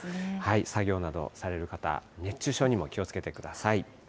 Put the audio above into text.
作業などされる方、熱中症にも気をつけてください。